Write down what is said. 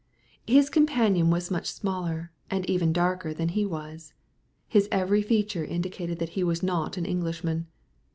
His companion was much smaller, and even darker than he was. His every feature indicated that he was not an Englishman.